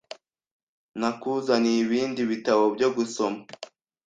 Nakuzaniye ibindi bitabo byo gusoma .